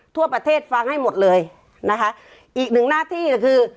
ทั่วประเทศฟังให้หมดเลยนะคะอีกหนึ่งหน้าที่คือ